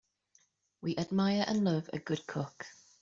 We admire and love a good cook.